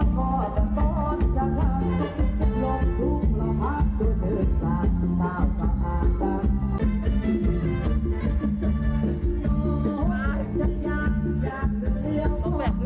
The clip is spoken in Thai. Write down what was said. ละตามั้ง